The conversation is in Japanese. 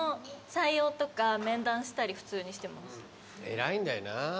偉いんだよな。